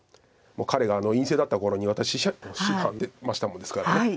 彼が院生だった頃に私師範でしましたもんですから。